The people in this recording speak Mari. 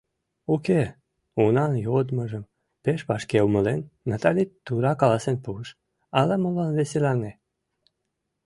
— Уке! — унан йодмыжым пеш вашке умылен, Натали тура каласен пуыш, ала-молан веселаҥе.